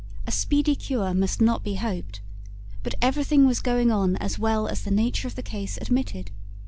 A speedy cure must not be hoped, but everything was going on as well as the nature of the case admitted.